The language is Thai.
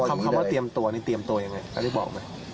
คำว่าเตรียมตัวนี่เตรียมตัวยังไงอันนี้บอกไหม